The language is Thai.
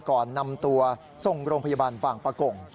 ก่อนนำตัวส่งโรงพยาบาลบางประกง